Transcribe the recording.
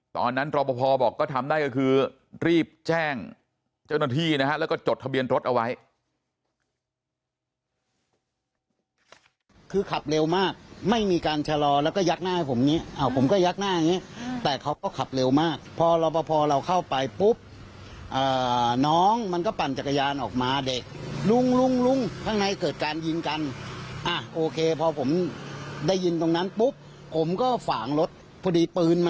รอปภบอกก็ทำได้ก็คือรีบแจ้งเจ้าหน้าที่นะฮะแล้วก็จดทะเบียนรถเอาไว้